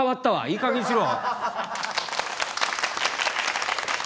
いいかげんにしろ。